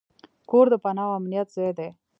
کور د پناه او امنیت ځای دی.